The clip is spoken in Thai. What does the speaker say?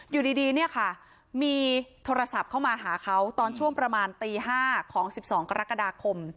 อยู่ดีเนี่ยค่ะมีโทรศัพท์เข้ามาหาเขาตอนช่วงประมาณตี๕ของ๑๒กรกฎาคม